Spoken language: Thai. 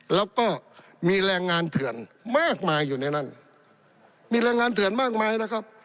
แล้วก็มีแรงงานเถื่อนมากมายอยู่ในนั้นมีแรงงานเถื่อนมากมายนะครับ